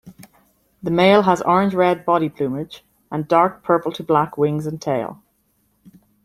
The male has orange-red body plumage, and dark purple to black wings and tail.